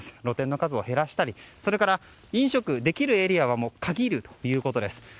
露店の数を減らしたり飲食できるエリアを限るということです。